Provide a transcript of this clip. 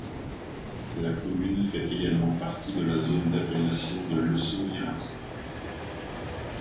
La commune fait également partie de la zone d'appellation de l'ossau-iraty.